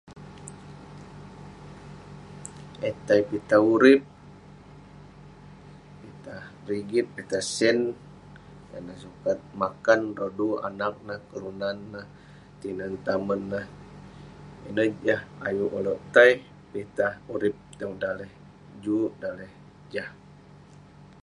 Eh tai pitah urip pitah rigit pitah sen tan neh sukat makan rodu anag neh kelunan nag tinen tamen nah ineh Jah ayuk oleuk tai pitah urip tong daleh juk daleh Jah